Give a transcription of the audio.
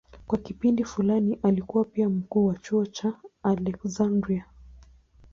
Kwa kipindi fulani alikuwa pia mkuu wa chuo cha Aleksandria.